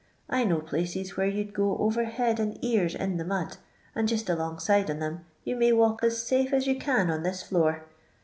1 know places where you 'd go over head and ears .in the mud, and jist alongside on 'em you may walk as safe as you can on this floor.